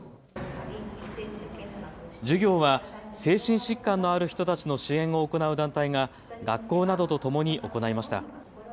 授業は精神疾患のある人たちの支援を行う団体が学校などとともに行いました。